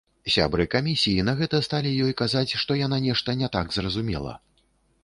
Сябры камісіі на гэта сталі ёй казаць, што яна нешта не так зразумела.